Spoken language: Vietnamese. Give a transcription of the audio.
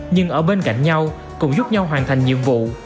nhưng ở bên cạnh nhau cùng giúp nhau hoàn thành nhiệm vụ